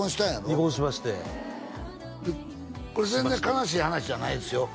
離婚しましてこれ全然悲しい話じゃないですよ悲しい話じゃない